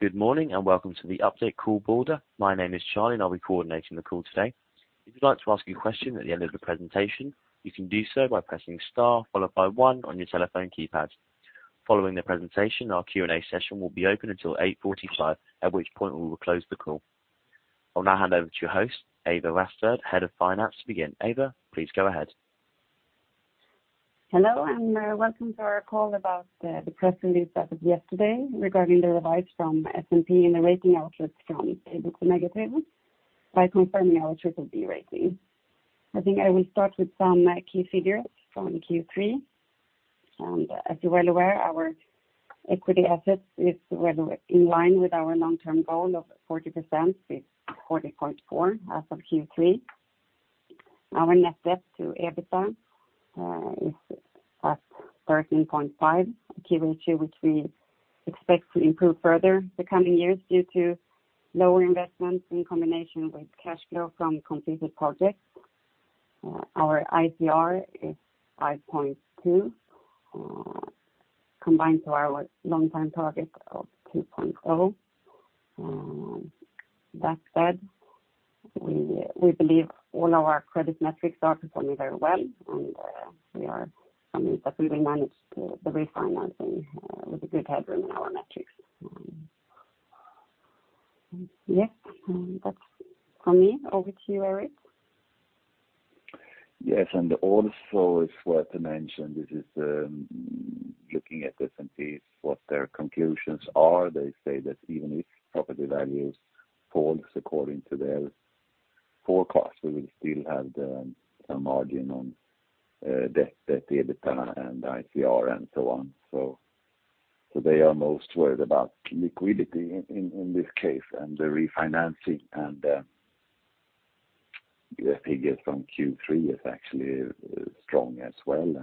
Good morning, and welcome to the Balder update call. My name is Charlie, and I'll be coordinating the call today. If you'd like to ask a question at the end of the presentation, you can do so by pressing star followed by one on your telephone keypad. Following the presentation, our Q&A session will be open until 8:45 A.M., at which point we will close the call. I'll now hand over to your host, Ewa Wassberg, Head of Finance, to begin. Ewa, please go ahead. Hello, welcome to our call about the press release that was yesterday regarding the revision from S&P and the rating outlook from stable to negative by confirming our triple B rating. I think I will start with some key figures from Q3. As you're well aware, our equity assets is well in line with our long-term goal of 40% with 40.4% as of Q3. Our net debt to EBITDA is at 13.5, a key ratio which we expect to improve further the coming years due to lower investments in combination with cash flow from completed projects. Our ICR is 5.2, compared to our long-term target of 2.0. That said, we believe all our credit metrics are performing very well, and we are confidently managed the refinancing with a good headroom in our metrics. Yes, that's from me. Over to you, Erik. Yes, also it's worth to mention, this is looking at S&P, what their conclusions are. They say that even if property values falls according to their forecast, we will still have a margin on debt, the EBITDA and ICR and so on. They are most worried about liquidity in this case and the refinancing. The figures from Q3 is actually strong as well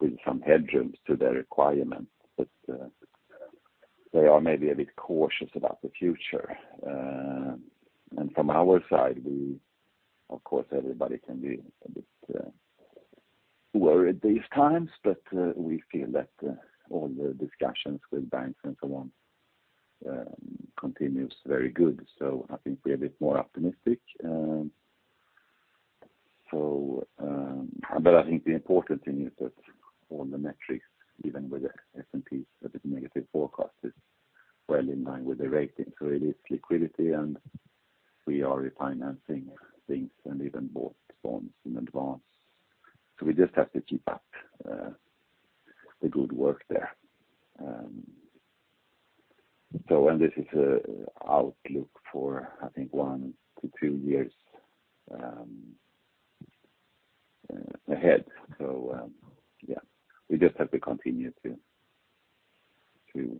with some headrooms to the requirements. They are maybe a bit cautious about the future. From our side, of course, everybody can be a bit worried these times, but we feel that all the discussions with banks and so on continues very good. I think we're a bit more optimistic. I think the important thing is that all the metrics, even with the S&P's a bit negative forecast, is well in line with the rating. It is liquidity, and we are refinancing things and even bought bonds in advance. We just have to keep up the good work there. This is outlook for I think 1-2 years ahead. Yeah, we just have to continue to do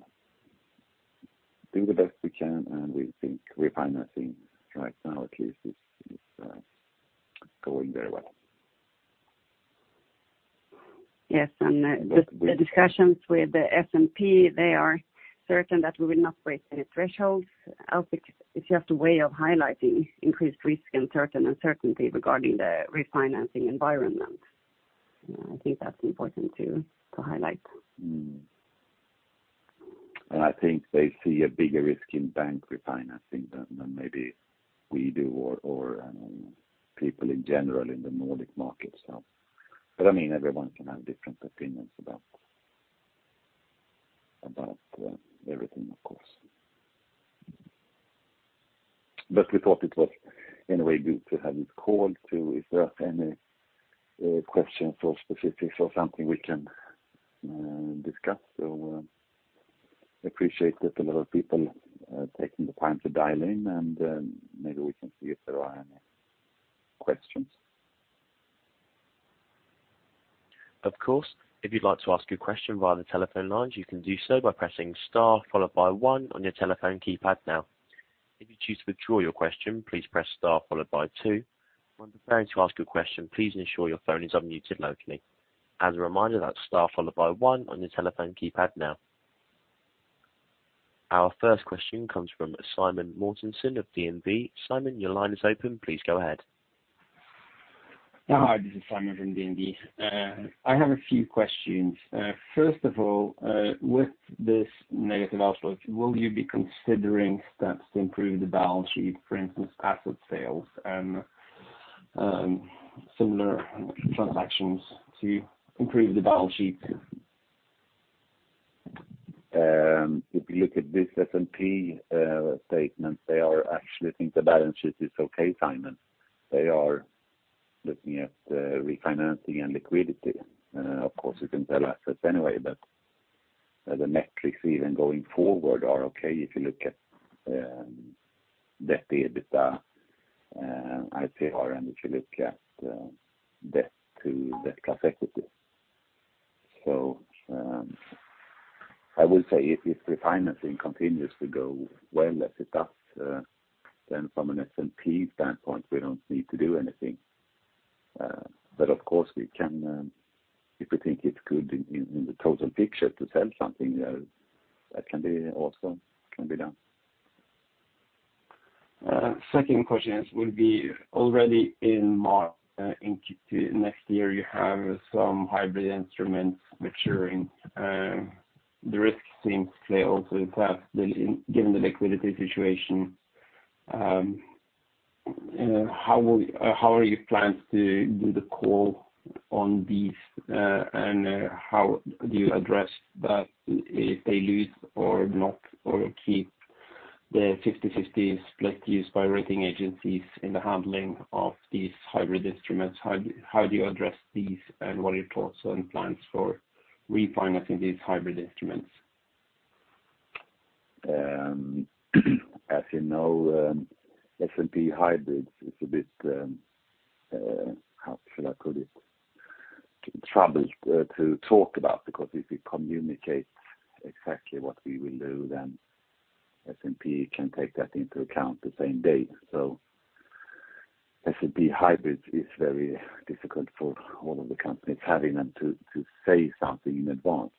the best we can, and we think refinancing right now at least is going very well. Yes. But we- The discussions with the S&P, they are certain that we will not break any thresholds. Outlook is just a way of highlighting increased risk and certain uncertainty regarding the refinancing environment. I think that's important to highlight. I think they see a bigger risk in bank refinancing than maybe we do or people in general in the Nordic market. But I mean, everyone can have different opinions about everything, of course. But we thought it was anyway good to have this call to see if there are any questions or specifics or something we can discuss. Appreciate that a lot of people taking the time to dial in, and maybe we can see if there are any questions. Of course. If you'd like to ask a question via the telephone lines, you can do so by pressing star followed by 1 on your telephone keypad now. If you choose to withdraw your question, please press star followed by 2. When preparing to ask a question, please ensure your phone is unmuted locally. As a reminder, that's star followed by 1 on your telephone keypad now. Our first question comes from Simen Mortensen of DNB. Simen, your line is open. Please go ahead. Hi, this is Simen from DNB. I have a few questions. First of all, with this negative outlook, will you be considering steps to improve the balance sheet, for instance, asset sales and similar transactions to improve the balance sheet? If you look at this S&P statement, they actually think the balance sheet is okay, Simen. They are looking at refinancing and liquidity. Of course, we can sell assets anyway. The metrics even going forward are okay if you look at debt to EBITDA, ICR and if you look at debt to net class equity. I would say if refinancing continues to go well as it does, then from an S&P standpoint, we don't need to do anything. Of course we can, if we think it's good in the total picture to sell something, that can also be done. Second question is, will be already in March, in Q2 next year, you have some hybrid instruments maturing. The risk seems they also have given the liquidity situation, how are you planned to do the call on these, and, how do you address that if they lose or not, or keep the 50-50 split used by rating agencies in the handling of these hybrid instruments? How do you address these, and what are your thoughts and plans for refinancing these hybrid instruments? As you know, S&P hybrids is a bit, how should I put it? Troubled to talk about, because if we communicate exactly what we will do, then S&P can take that into account the same day. S&P hybrids is very difficult for all of the companies having them to say something in advance.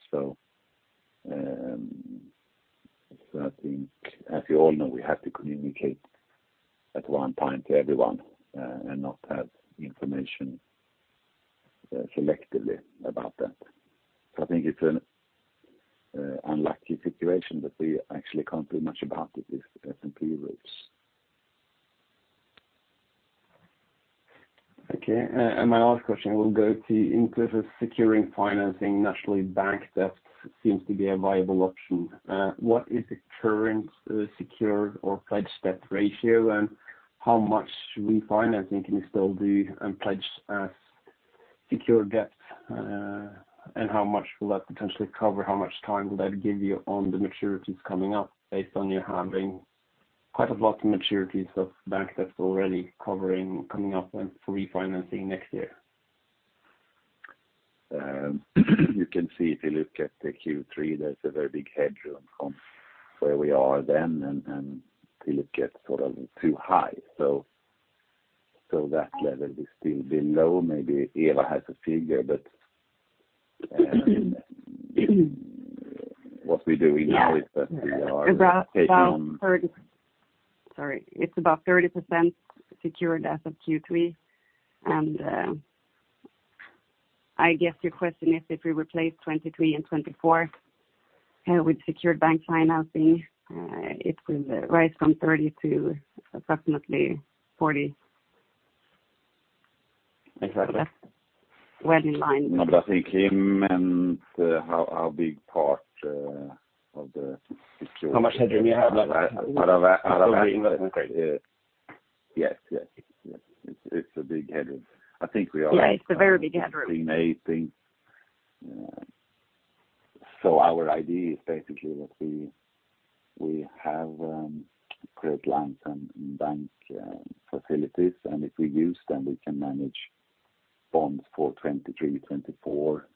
I think as you all know, we have to communicate at one time to everyone, and not have information selectively about that. I think it's an unlucky situation, but we actually can't do much about it if S&P rules. Okay. My last question will go to including securing financing. Naturally, bank debt seems to be a viable option. What is the current secured or pledged debt ratio, and how much refinancing can you still do and pledge as secured debt? How much will that potentially cover? How much time will that give you on the maturities coming up based on you having quite a lot of maturities of bank debt already coming up and refinancing next year? You can see if you look at the Q3, there's a very big headroom from where we are then and till it gets sort of too high. That level is still below. Maybe Ewa has a figure, but what we do, we know is that we are taking on. Yeah. Sorry. It's about 30% secured as of Q3. I guess your question is if we replace 2023 and 2024 with secured bank financing, it will rise from 30% to approximately 40%. Exactly. Well, in line with. I think he meant how big part of the security. How much headroom you have left? Yes. It's a big headroom. I think we are. Yeah, it's a very big headroom. I think our idea is basically that we have credit lines and bank facilities, and if we use them, we can manage bonds for 2023, 2024.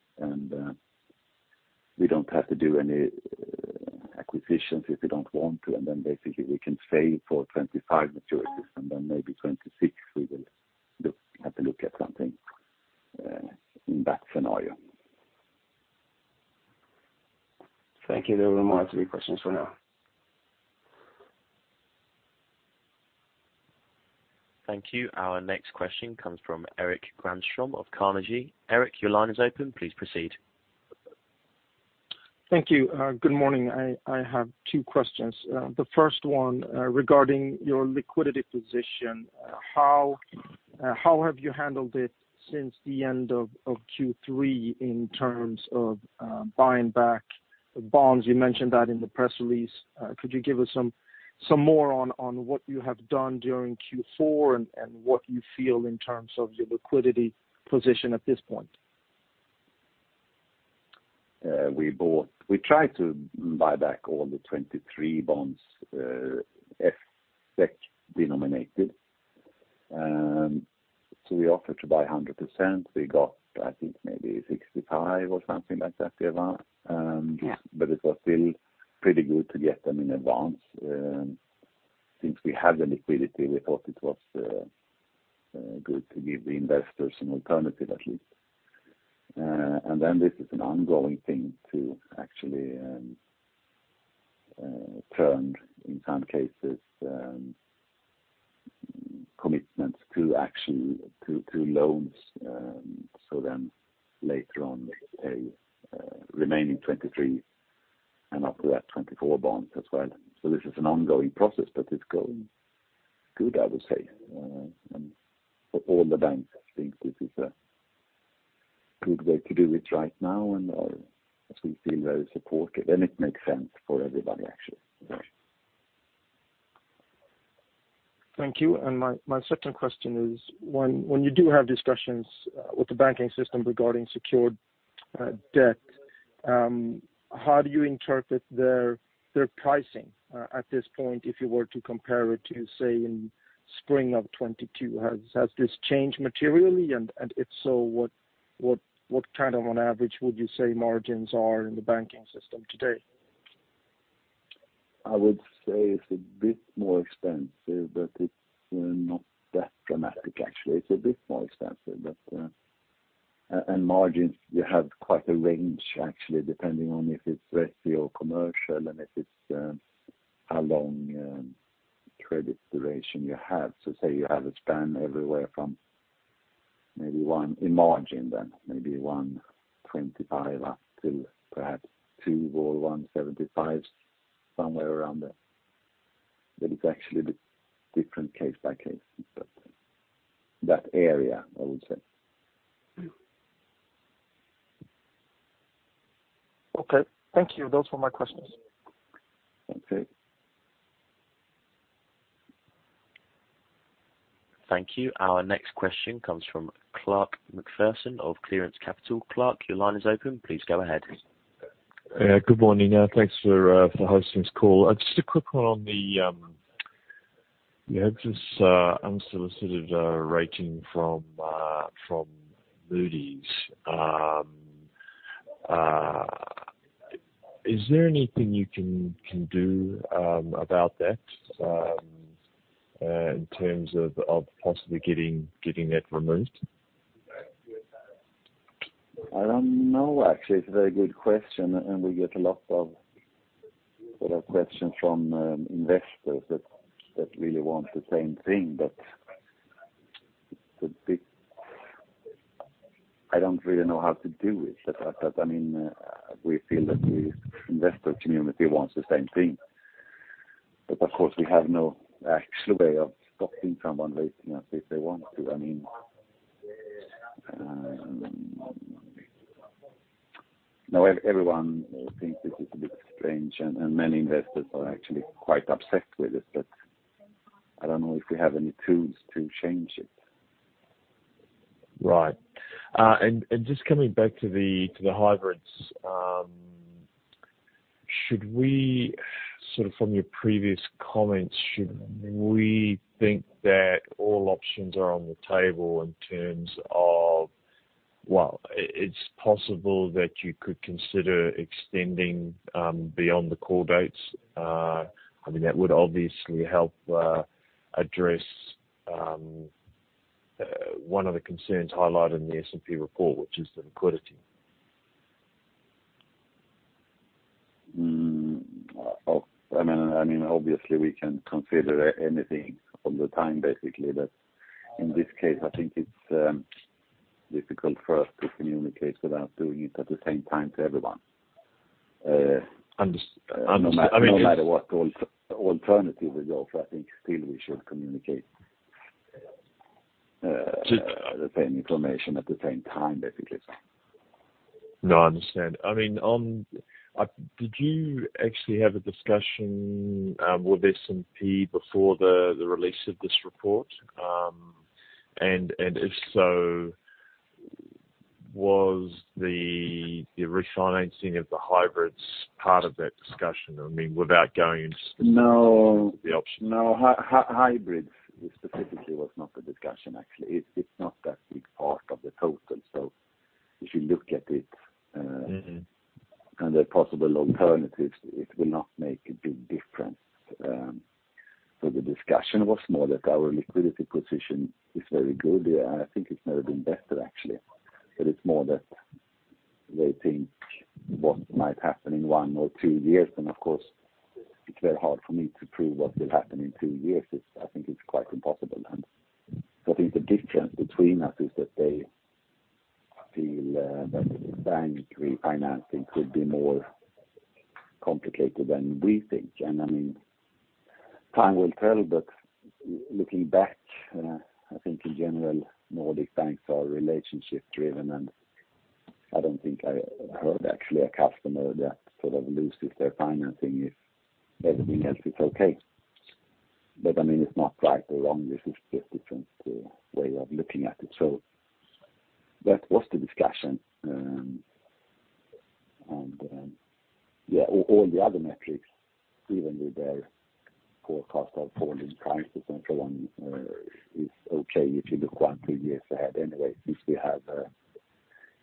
We don't have to do any acquisitions if we don't want to. Basically we can save for 2025 maturities, and then maybe 2026 we will have to look at something in that scenario. Thank you. There were my three questions for now. Thank you. Our next question comes from Erik Granström of Carnegie. Erik, your line is open. Please proceed. Thank you. Good morning. I have two questions. The first one, regarding your liquidity position, how have you handled it since the end of Q3 in terms of buying back the bonds? You mentioned that in the press release. Could you give us some more on what you have done during Q4 and what you feel in terms of your liquidity position at this point? We tried to buy back all the 2023 bonds, SEK-denominated. We offered to buy 100%. We got, I think, maybe 65 or something like that, Ewa? Yeah. It was still pretty good to get them in advance. Since we have the liquidity, we thought it was good to give the investors an alternative at least. Then this is an ongoing thing to actually turn in some cases commitments to actually to loans. Later on the remaining 2023 and after that 2024 bonds as well. This is an ongoing process, it's going good, I would say. For all the banks, I think this is a good way to do it right now and as we feel very supported, then it makes sense for everybody actually. Thank you. My second question is when you do have discussions with the banking system regarding secured debt, how do you interpret their pricing at this point, if you were to compare it to, say, in spring of 2022? Has this changed materially? If so, what kind of on average would you say margins are in the banking system today? I would say it's a bit more expensive, but it's not that dramatic actually. It's a bit more expensive, but margins, you have quite a range actually, depending on if it's recio commercial and if it's how long credit duration you have. Say you have a span everywhere from maybe 1% margin, then maybe 1.25% up to perhaps 2% or 1.75%, somewhere around there. It's actually the different case by case. That area, I would say. Okay. Thank you. Those were my questions. Okay. Thank you. Our next question comes from Clark McPherson of Clearance Capital. Clark, your line is open. Please go ahead. Yeah. Good morning. Thanks for hosting this call. Just a quick one on the you had this unsolicited rating from Moody's. Is there anything you can do about that in terms of possibly getting that removed? I don't know. Actually, it's a very good question, and we get a lot of sort of questions from, investors that really want the same thing. I don't really know how to do it. I mean, we feel that the investor community wants the same thing. Of course, we have no actual way of stopping someone rating us if they want to. I mean, now everyone thinks this is a bit strange, and many investors are actually quite upset with it, but I don't know if we have any tools to change it. Right. Just coming back to the hybrids. From your previous comments, should we think that all options are on the table. Well, it's possible that you could consider extending beyond the call dates. I mean, that would obviously help address one of the concerns highlighted in the S&P report, which is the liquidity. Well, I mean, obviously, we can consider anything all the time, basically. In this case, I think it's difficult for us to communicate without doing it at the same time to everyone. I mean, if - No matter what alternative is offered, I think still we should communicate - To- - the same information at the same time, basically. No, I understand. I mean, did you actually have a discussion with S&P before the release of this report? If so, was the refinancing of the hybrids part of that discussion? I mean, without going into specifics. No. the option. No. Hybrids specifically was not the discussion, actually. It's not that big part of the total. If you look at it, Mm-hmm. The possible alternatives, it will not make a big difference. So the discussion was more that our liquidity position is very good. I think it's never been better, actually. But it's more that they think what might happen in one or two years, and of course, it's very hard for me to prove what will happen in two years. I think it's quite impossible. And I think the difference between us is that they feel that bank refinancing could be more complicated than we think. And I mean, time will tell. But looking back, I think in general, Nordic banks are relationship-driven, and I don't think I heard actually a customer that sort of loses their financing if everything else is okay. But I mean, it's not right or wrong. This is just different way of looking at it. So that was the discussion. Yeah, all the other metrics, even with their forecast of falling prices and so on, is okay if you look one, two years ahead anyway, since we have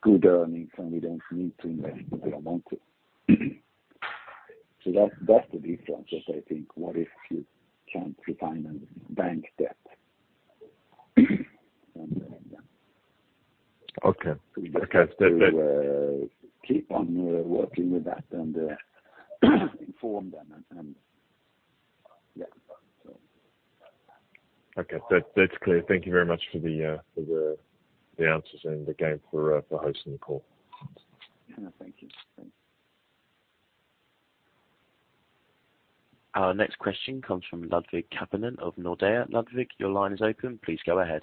good earnings and we don't need to invest, but we want to. That's the difference, is I think what if you can't refinance bank debt? Okay. We keep on working with that and inform them. Yeah. Okay. That's clear. Thank you very much for the answers and again for hosting the call. Thank you. Our next question comes from Ludvig Kapanen of Nordea. Ludvig, your line is open. Please go ahead.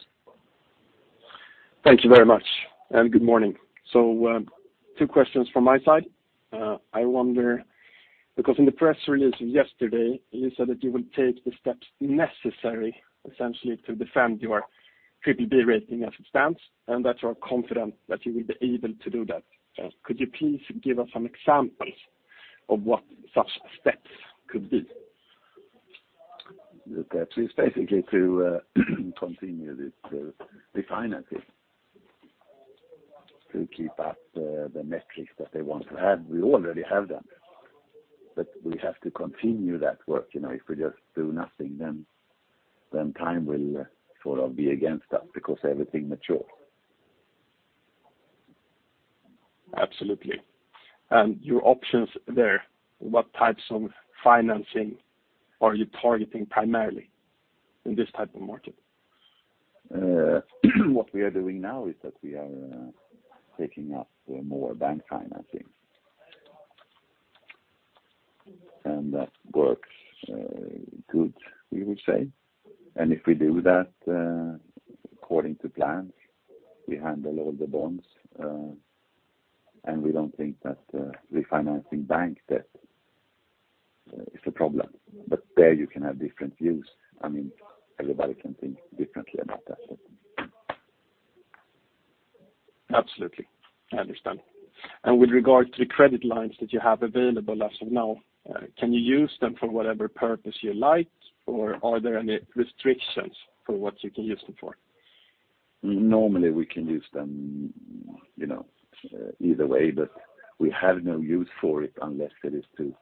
Thank you very much. Good morning. Two questions from my side. I wonder because in the press release yesterday, you said that you will take the steps necessary essentially to defend your triple B rating as it stands, and that you are confident that you will be able to do that. Could you please give us some examples of what such steps could be? It's basically to continue this refinancing to keep up the metrics that they want to have. We already have them. We have to continue that work. You know, if we just do nothing, then time will sort of be against us because everything matures. Absolutely. Your options there, what types of financing are you targeting primarily in this type of market? What we are doing now is that we are taking up more bank financing. That works good, we would say. If we do that, according to plans, we handle all the bonds, and we don't think that refinancing bank debt is a problem. There you can have different views. I mean, everybody can think differently about that. Absolutely. I understand. With regard to the credit lines that you have available as of now, can you use them for whatever purpose you like, or are there any restrictions for what you can use them for? Normally we can use them, you know, either way, but we have no use for it unless it is to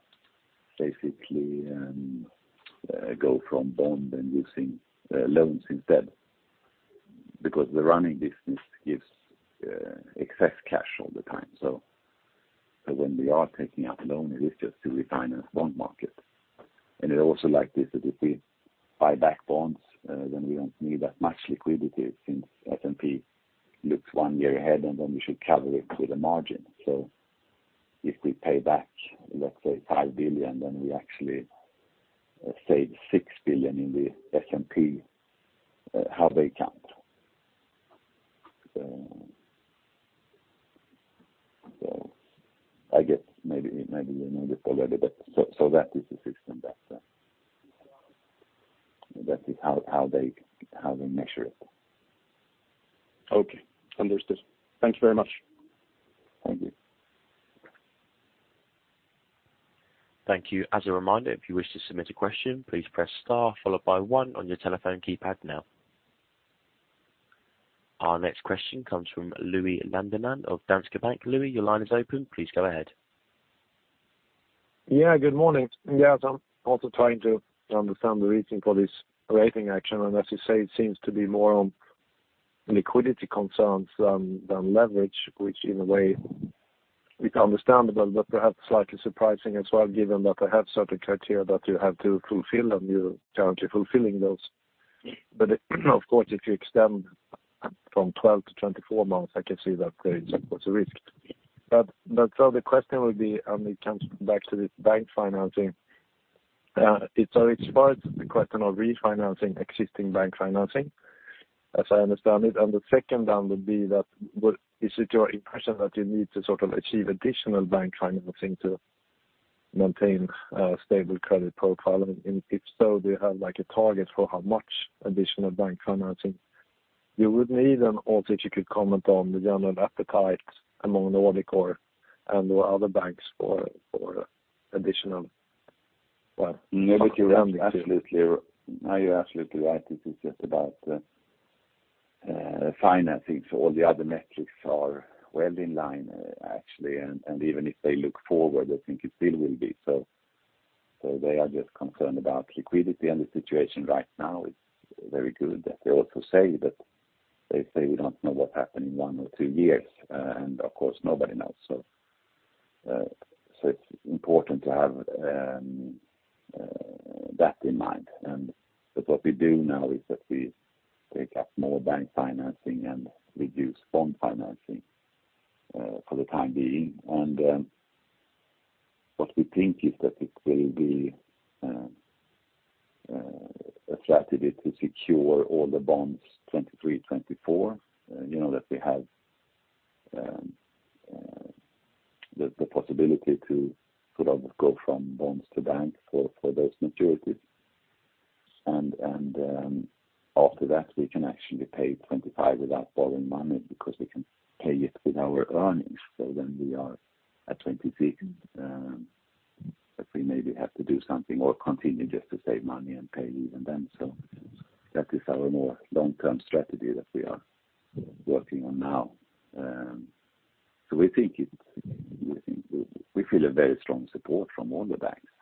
basically go from bond and using loans instead. Because the running business gives excess cash all the time. When we are taking out a loan, it is just to refinance bond market. It also like this, if we buy back bonds, then we don't need that much liquidity since S&P looks one year ahead, and then we should cover it with a margin. If we pay back, let's say 5 billion, then we actually save 6 billion in the S&P, how they count. I guess maybe you know this already, but that is the system that is how they measure it. Okay. Understood. Thanks very much. Thank you. Thank you. As a reminder, if you wish to submit a question, please press star followed by one on your telephone keypad now. Our next question comes from Louis Landeman of Danske Bank. Louis, your line is open. Please go ahead. Yeah, good morning. Yes, I'm also trying to understand the reason for this rating action. As you say, it seems to be more on liquidity concerns than leverage, which in a way it's understandable, but perhaps slightly surprising as well, given that I have certain criteria that you have to fulfill and you're currently fulfilling those. Of course, if you extend from 12-24 months, I can see that there is of course a risk. So the question would be, and it comes back to this bank financing. It's part of the question of refinancing existing bank financing, as I understand it. The second then would be that is it your impression that you need to sort of achieve additional bank financing to maintain a stable credit profile? If so, do you have like a target for how much additional bank financing you would need? Also if you could comment on the general appetite among Nordic core and/or other banks for additional, No, you're absolutely right. This is just about financing, for all the other metrics are well in line actually. Even if they look forward, I think it still will be. They are just concerned about liquidity and the situation right now is very good. They also say that we don't know what happened in one or two years, and of course nobody knows. It's important to have that in mind. What we do now is that we take up more bank financing and reduce bond financing for the time being. What we think is that it will be attractive to secure all the bonds 2023, 2024. You know that we have the possibility to sort of go from bonds to bank for those maturities. After that, we can actually pay 2025 without borrowing money because we can pay it with our earnings. We are at 2026, but we maybe have to do something or continue just to save money and pay even then. That is our more long-term strategy that we are working on now. We think we feel a very strong support from all the banks.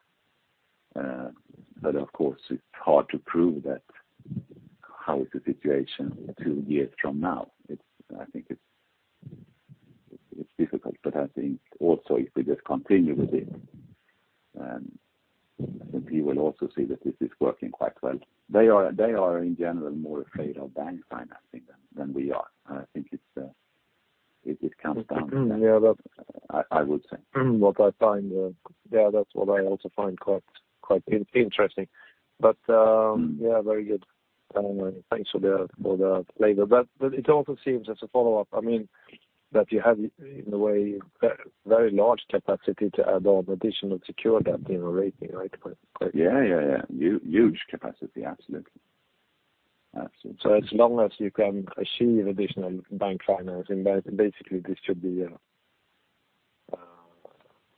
Of course it's hard to prove that how is the situation two years from now. I think it's difficult, but I think also if we just continue with it, I think you will also see that this is working quite well. They are in general more afraid of bank financing than we are. I think it's, it comes down to that. Yeah. I would say. What I find, yeah, that's what I also find quite interesting. Yeah, very good. Thanks for the elaboration. It also seems as a follow-up, I mean, that you have in a way very large capacity to add on additional secured debt in a rating, right? Yeah, yeah. Huge capacity. Absolutely. Absolutely. As long as you can achieve additional bank financing, basically this should be a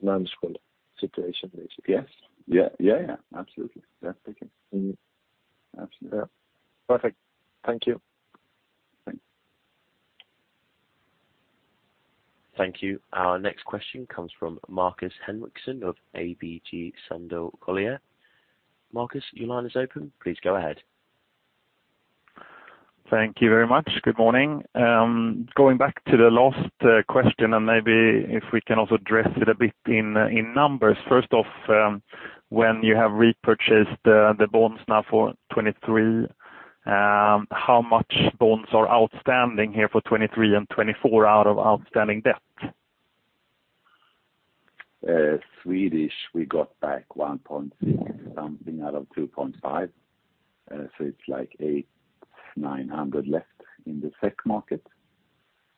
non-issue situation, basically. Yes. Yeah. Absolutely. Yeah. Absolutely. Yeah. Perfect. Thank you. Thanks. Thank you. Our next question comes from Markus Henriksson of ABG Sundal Collier. Markus, your line is open. Please go ahead. Thank you very much. Good morning. Going back to the last question and maybe if we can also address it a bit in numbers. First off, when you have repurchased the bonds now for 2023, how much bonds are outstanding here for 2023 and 2024 out of outstanding debt? Swedish, we got back 1.6 something out of 2.5. So it's like 800-900 left in the SEC market.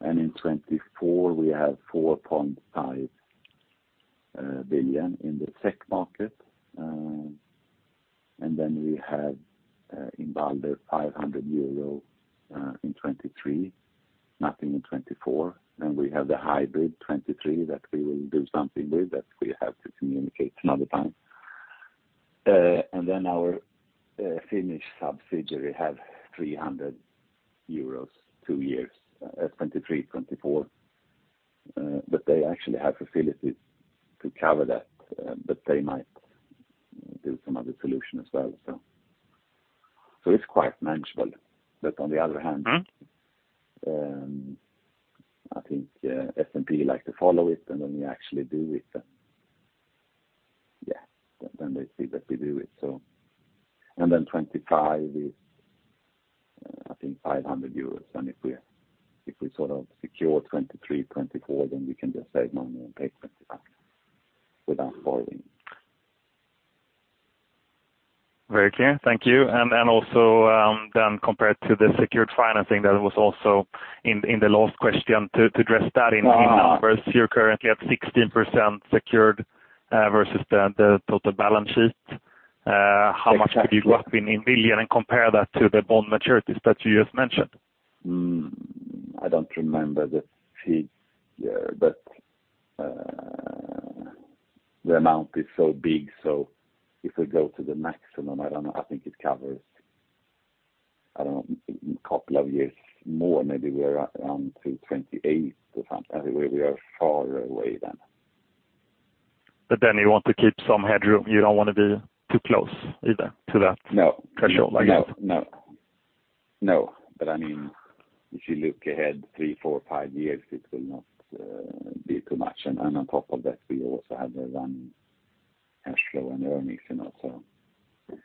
In 2024 we have 4.5 billion in the SEC market. We have in Balder, 500 euro in 2023, nothing in 2024. We have the hybrid 2023 that we will do something with, that we have to communicate another time. Our Finnish subsidiary have 300 euros, two years, 2023, 2024. But they actually have facilities to cover that, but they might do some other solution as well. So it's quite manageable. But on the other hand- Mm. - I think S&P like to follow it and then we actually do it. They see that we do it. Then 2025 is, I think, 500 euros. If we sort of secure 2023, 2024, then we can just save money and pay 2025 without borrowing. Very clear. Thank you. Also compared to the secured financing that was also in the last question to address that in numbers. You're currently at 16% secured versus the total balance sheet. Exactly. How much could you drop in million and compare that to the bond maturities that you just mentioned? I don't remember the fee, but the amount is so big. If we go to the maximum, I don't know, I think it covers, I don't know, couple of years more, maybe we are around to 2028 or anyway, we are far away then. You want to keep some headroom. You don't wanna be too close either to that. No. Threshold, I guess. No. I mean, if you look ahead three, four, five years, it will not be too much. On top of that we also have the rental cash flow and earnings, you know, so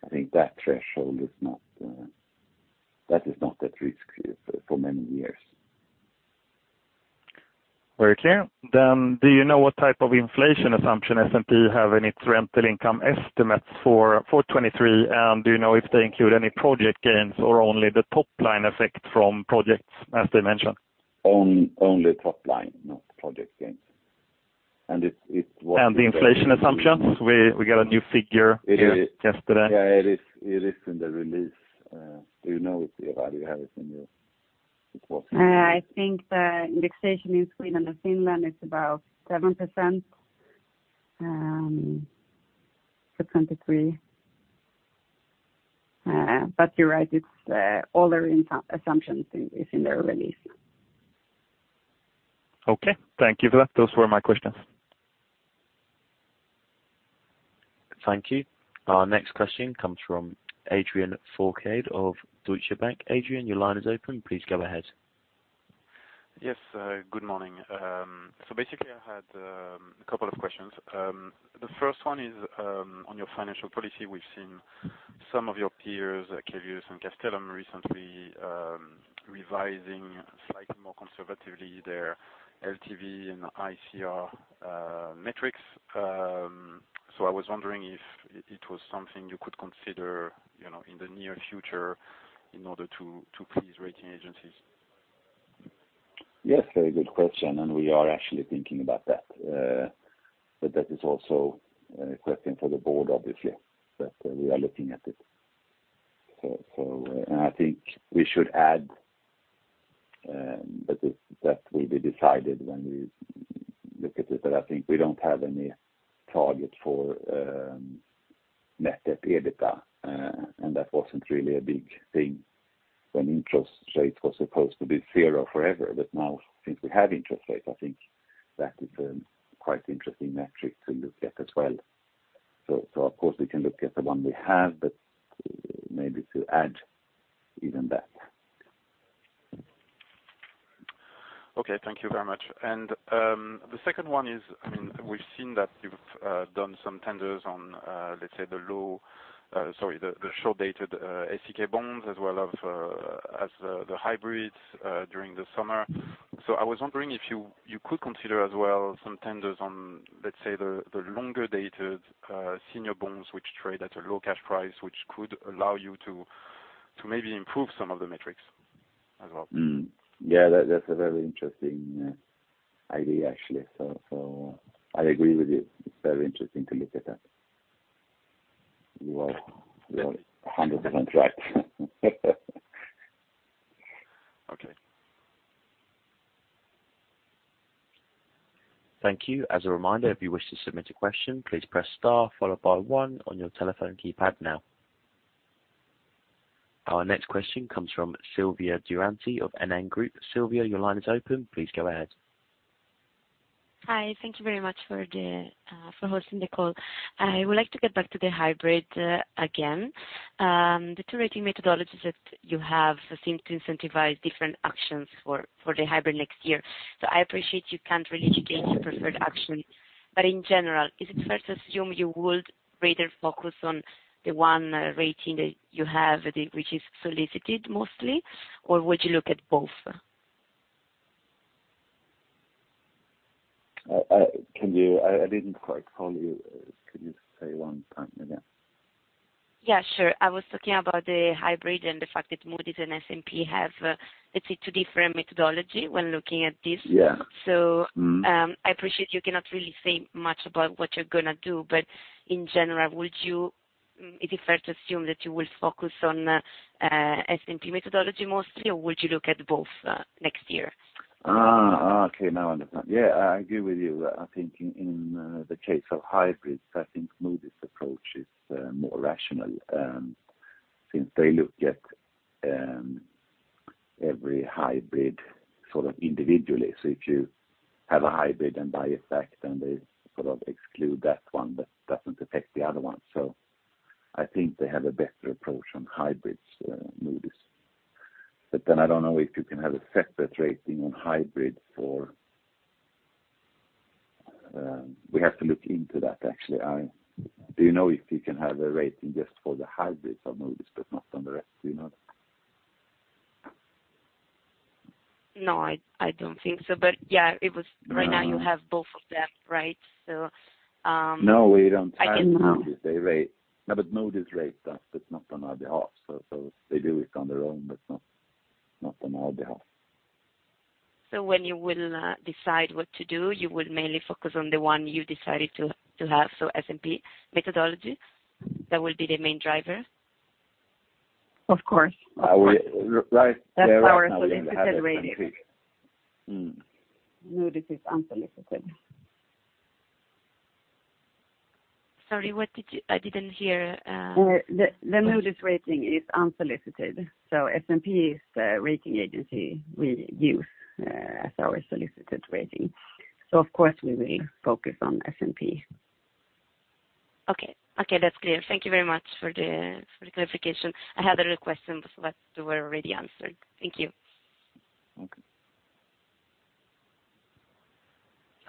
I think that threshold is not at risk for many years. Very clear. Do you know what type of inflation assumption S&P have in its rental income estimates for 2023? And do you know if they include any project gains or only the top line effect from projects as they mentioned? Only top line. No project gains. It's what The inflation assumptions. We got a new figure yesterday. Yeah, it is in the release. Do you know it, Ewa? You have it in your report. I think the indexation in Sweden and Finland is about 7% for 2023. You're right, it's all their initial assumptions is in their release. Okay. Thank you for that. Those were my questions. Thank you. Our next question comes from Adrien Fourcade of Deutsche Bank. Adrien, your line is open. Please go ahead. Yes. Good morning. Basically I had a couple of questions. The first one is on your financial policy. We've seen some of your peers, Cibus and Castellum recently revising slightly more conservatively their LTV and ICR metrics. I was wondering if it was something you could consider, you know, in the near future in order to please rating agencies. Yes, very good question, and we are actually thinking about that. That is also a question for the board obviously. We are looking at it. I think we should add that will be decided when we look at it. I think we don't have any target for net debt EBITDA, and that wasn't really a big thing when interest rates were supposed to be zero forever. Now since we have interest rates, I think that is a quite interesting metric to look at as well. Of course we can look at the one we have, maybe to add even that. Okay. Thank you very much. The second one is, I mean, we've seen that you've done some tenders on, let's say the short-dated SEK bonds as well as the hybrids during the summer. I was wondering if you could consider as well some tenders on, let's say the longer dated senior bonds, which trade at a low cash price, which could allow you to maybe improve some of the metrics as well. Yeah, that's a very interesting idea actually. I agree with you. It's very interesting to look at that. You are 100% right. Okay. Thank you. As a reminder, if you wish to submit a question, please press star followed by one on your telephone keypad now. Our next question comes from Silvia Durante of NN Group. Silvia, your line is open. Please go ahead. Hi. Thank you very much for hosting the call. I would like to get back to the hybrid again. The two rating methodologies that you have seem to incentivize different actions for the hybrid next year. I appreciate you can't really give your preferred action. In general, is it fair to assume you would rather focus on the one rating that you have, which is solicited mostly, or would you look at both? I didn't quite follow you. Could you say it one time again? Yeah, sure. I was talking about the hybrid and the fact that Moody's and S&P have, let's say, two different methodology when looking at this. Yeah. So- Mm. I appreciate you cannot really say much about what you're gonna do, but in general, is it fair to assume that you will focus on S&P methodology mostly, or would you look at both next year? Okay, now I understand. Yeah, I agree with you. I think in the case of hybrids, I think Moody's approach is more rational, since they look at every hybrid sort of individually. If you have a hybrid and buy it back, then they sort of exclude that one, but doesn't affect the other ones. I think they have a better approach on hybrids, Moody's. Then I don't know if you can have a separate rating on hybrid. We have to look into that actually. Do you know if you can have a rating just for the hybrids on Moody's but not on the rest? Do you know? No, I don't think so. Yeah, it was. No. Right now you have both of them, right? No, we don't have. I can- Moody's, they rate. No, Moody's rates us, but not on our behalf. They do it on their own, but not on our behalf. When you will decide what to do, you will mainly focus on the one you decided to have, so S&P methodology, that will be the main driver? Of course. Right now we only have S&P. That's our solicited rating. Mm. Moody's is unsolicited. Sorry, what did you? I didn't hear. The Moody's rating is unsolicited. S&P is the rating agency we use as our solicited rating. Of course we will focus on S&P. Okay. Okay, that's clear. Thank you very much for the clarification. I had other questions, but they were already answered. Thank you. Okay.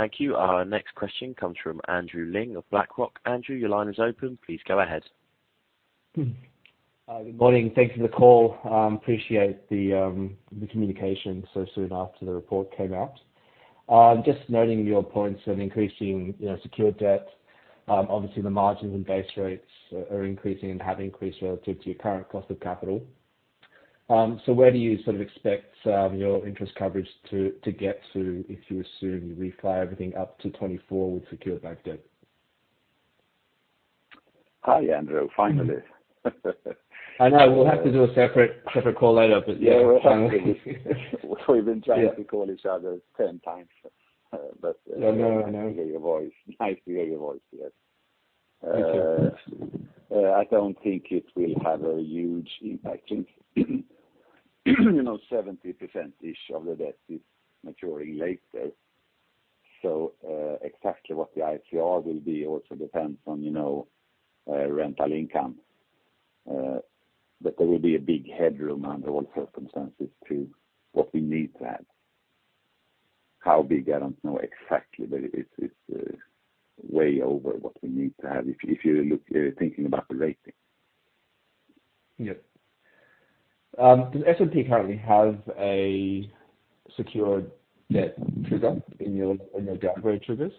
Thank you. Our next question comes from Andrew Ling of BlackRock. Andrew, your line is open. Please go ahead. Good morning. Thank you for the call. Appreciate the communication so soon after the report came out. Just noting your points on increasing, you know, secured debt. Obviously the margins and base rates are increasing and have increased relative to your current cost of capital. Where do you sort of expect your interest coverage to get to if you assume you refi everything up to 2024 with secured bank debt? Hi, Andrew. Finally. I know. We'll have to do a separate call later. Yeah. Yeah. We've been trying to call each other 10 times, but- Yeah, I know. I know Nice to hear your voice. Yes. Thank you. I don't think it will have a huge impact. I think, you know, 70%-ish of the debt is maturing later. Exactly what the ICR will be also depends on, you know, rental income. There will be a big headroom under all circumstances to what we need to have. How big, I don't know exactly, but it's way over what we need to have if you look if you're thinking about the rating. Yeah. Does S&P currently have a secured debt trigger in your downgrade triggers?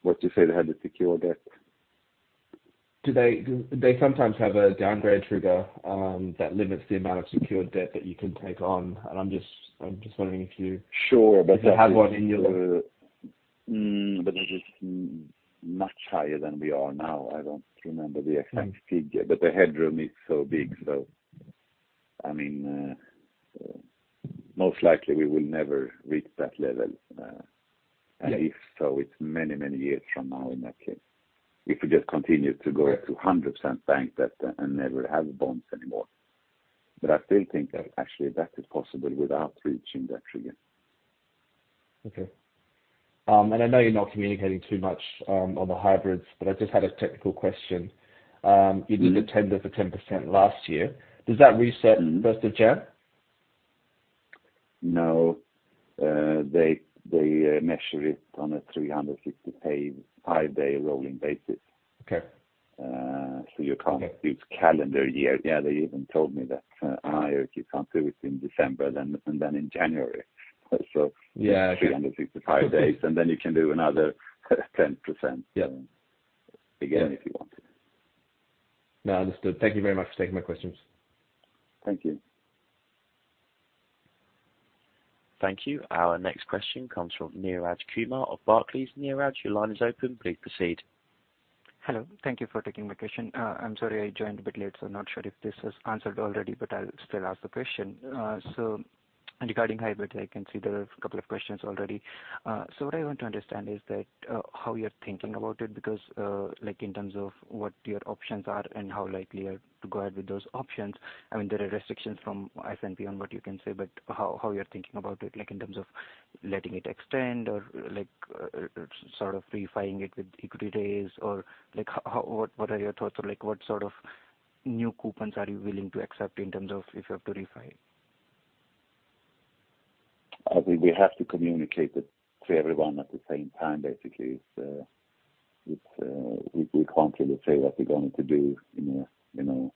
What you say? The secured debt? Do they sometimes have a downgrade trigger that limits the amount of secured debt that you can take on? I'm just wondering if you- Sure, I think. If they have one in your- It is much higher than we are now. I don't remember the exact figure, but the headroom is so big. I mean, most likely we will never reach that level. Yeah. If so, it's many, many years from now in that case, if we just continue to go to 100% bank debt and never have bonds anymore. I still think that actually a debt is possible without reaching that trigger. Okay. I know you're not communicating too much on the hybrids, but I just had a technical question. Mm-hmm. You did the tender for 10% last year. Does that reset first of January? No. They measure it on a 360-day, five-day rolling basis. Okay. You can't. Okay. Do it calendar year. Yeah, they even told me that, you can't do it in December then, and then in January. Yeah. 365 days, and then you can do another 10% - Yeah. - again if you want to. No, understood. Thank you very much for taking my questions. Thank you. Thank you. Our next question comes from Neeraj Kumar of Barclays. Neeraj, your line is open. Please proceed. Hello. Thank you for taking my question. I'm sorry I joined a bit late, so I'm not sure if this was answered already, but I'll still ask the question. Regarding hybrid, I can see there are a couple of questions already. What I want to understand is how you're thinking about it because, like in terms of what your options are and how likely you are to go out with those options, I mean, there are restrictions from S&P on what you can say, but how you're thinking about it, like in terms of letting it extend or like, sort of refinancing it with equity raise or like what are your thoughts or like what sort of new coupons are you willing to accept in terms of if you have to refinance? I think we have to communicate it to everyone at the same time, basically. It's we can't really say what we're going to do, you know,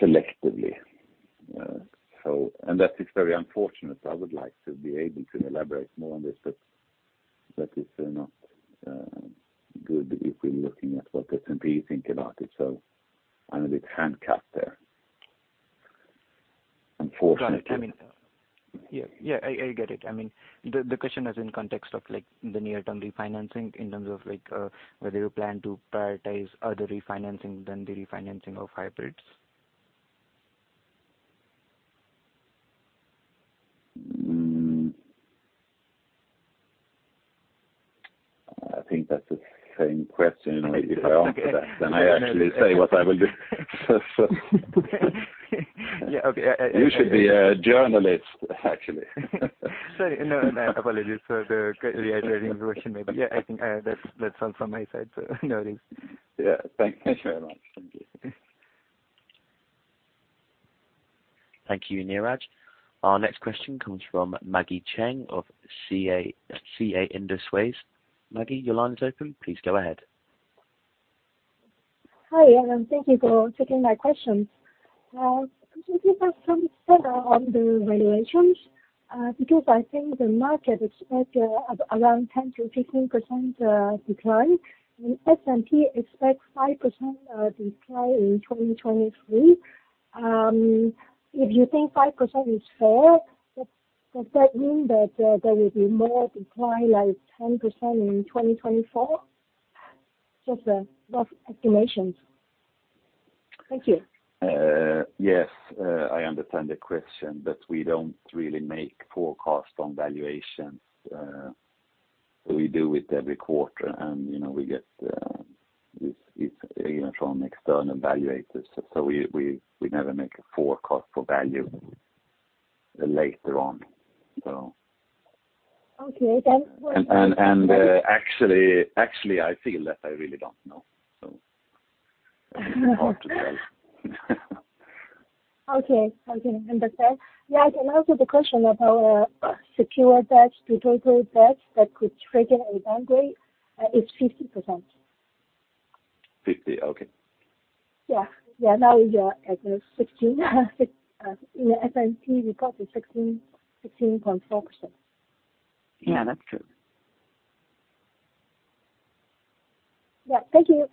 selectively. That is very unfortunate. I would like to be able to elaborate more on this, but that is not good if we're looking at what S&P think about it, so I'm a bit handcuffed there unfortunately. Got it. I mean. Yeah, I get it. I mean, the question is in context of like the near-term refinancing in terms of like, whether you plan to prioritize other refinancing than the refinancing of hybrids. I think that's the same question. If I answer that, then I actually say what I will do. Yeah. Okay. You should be a journalist actually. Sorry. No, no, apologies for reiterating the question maybe. Yeah, I think that's all from my side, so no worries. Yeah. Thank you very much. Thank you. Thank you, Neeraj. Our next question comes from Maggie Cheng of Crédit Agricole CIB. Maggie, your line is open. Please go ahead. Hi, and thank you for taking my questions. Could you give us some color on the valuations? Because I think the market expect around 10%-15% decline, and S&P expect 5% decline in 2023. If you think 5% is fair, does that mean that there will be more decline like 10% in 2024? Just the rough estimations. Thank you. Yes. I understand the question, but we don't really make forecasts on valuations. We do it every quarter, and you know, we get this again from external evaluators. We never make a forecast for value later on. Okay. Actually, I feel that I really don't know. Hard to tell. Okay. Understand. Yeah, also the question about secured debt to total debt that could trigger a downgrade is 50%. 50. Okay. Yeah. Now you are at 16. In the S&P report it's 16.4%. Yeah. That's true. Yeah. Thank you.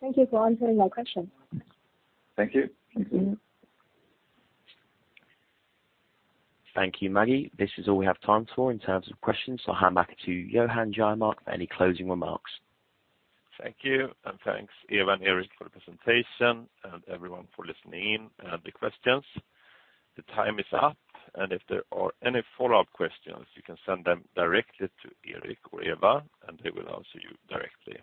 Thank you for answering my question. Thank you. Thank you. Thank you, Maggie. This is all we have time for in terms of questions, so I'll hand back to you, Jonas Erikson, for any closing remarks. Thank you. Thanks, Ewa and Erik for the presentation and everyone for listening and the questions. The time is up. If there are any follow-up questions, you can send them directly to Erik or Ewa, and they will answer you directly.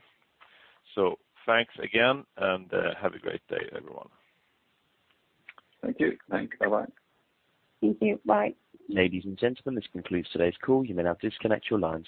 Thanks again and, have a great day everyone. Thank you. Bye-bye. Thank you. Bye. Ladies and gentlemen, this concludes today's call. You may now disconnect your lines.